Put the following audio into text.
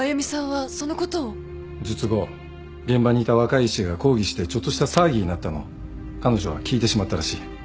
術後現場にいた若い医師が抗議してちょっとした騒ぎになったのを彼女は聞いてしまったらしい。